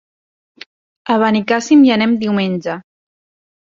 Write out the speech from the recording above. A Benicàssim hi anem diumenge.